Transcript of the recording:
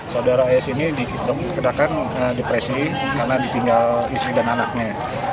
saudara oms ini dikitung kedahkan depresi karena ditinggal isteri dan anaknya